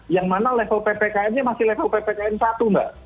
yang mana level ppkmnya masih level ppkm satu mbak